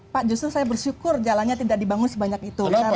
pak justru saya bersyukur jalannya tidak dibangun sebanyak itu